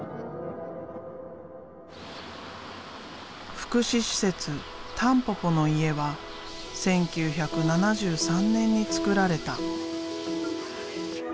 福祉施設「たんぽぽの家」は１９７３年につくられた。